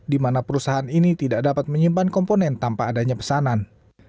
di mana perusahaan ini tidak dapat menyimpan komponen tanpa adanya pesanan